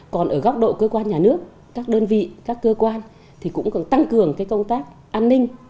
còn ở góc độ cơ quan nhà nước các đơn vị các cơ quan thì cũng cần tăng cường công tác an ninh